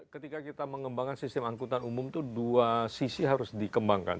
ketika kita mengembangkan sistem angkutan umum itu dua sisi harus dikembangkan